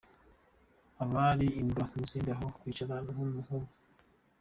Aba ari imbwa mu zindi, aho kwicara nk’ubu.